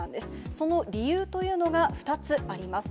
その理由というのが２つあります。